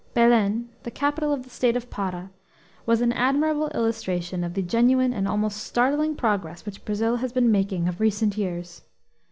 Belen, the capital of the state of Para, was an admirable illustration of the genuine and almost startling progress which Brazil has been making of recent years.